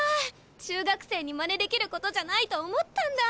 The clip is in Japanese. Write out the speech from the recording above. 中学生にまねできることじゃないと思ったんだ。